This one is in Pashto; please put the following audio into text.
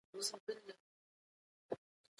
خلګ د څېړونکي ځواب ته انتظار باسي.